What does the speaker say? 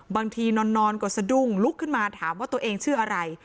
นอนก็สะดุ้งลุกขึ้นมาถามว่าตัวเองชื่ออะไร